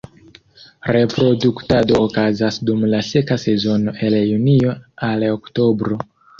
Reproduktado okazas dum la seka sezono el junio al oktobro.